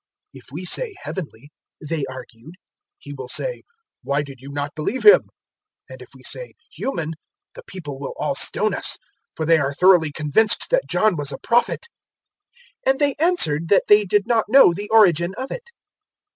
"If we say `Heavenly,'" they argued, "he will say, `Why did you not believe him?' 020:006 And if we say, `human,' the people will all stone us; for they are thoroughly convinced that John was a Prophet." 020:007 And they answered that they did not know the origin of it.